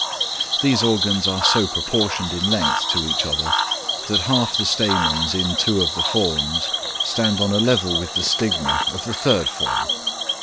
These organs are so proportioned in length to each other, that half the stamens in two of the forms stand on a level with the stigma of the third form.